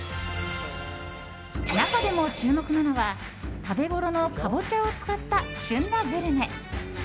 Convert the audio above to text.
中でも注目なのは、食べごろのカボチャを使った旬なグルメ。